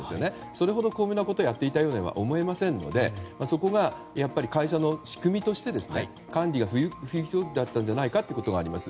それほど巧妙なことをやっていたようには思えませんのでそこが会社の仕組みとして管理が不行き届きだったんじゃないかということがあります。